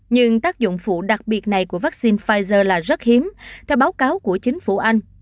nhưng tác dụng phụ đặc biệt này của vaccine pfizer là rất hiếm theo báo cáo của chính phủ anh